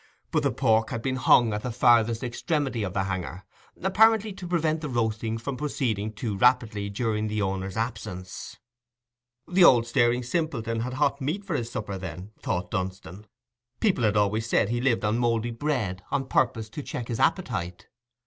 But the pork had been hung at the farthest extremity of the hanger, apparently to prevent the roasting from proceeding too rapidly during the owner's absence. The old staring simpleton had hot meat for his supper, then? thought Dunstan. People had always said he lived on mouldy bread, on purpose to check his appetite.